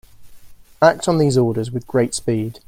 Act on these orders with great speed.